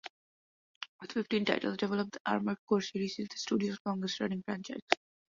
With fifteen titles developed, the "Armored Core" series is the studio's longest running franchise.